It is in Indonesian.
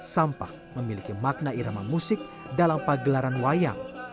sampah memiliki makna irama musik dalam pagelaran wayang